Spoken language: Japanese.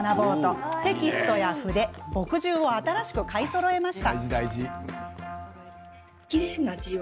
書道を学ぼうとテキストや筆、墨汁を新しく買いそろえました。